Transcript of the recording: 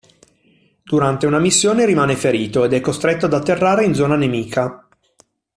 Durante una missione rimane ferito ed è costretto ad atterrare in zona nemica.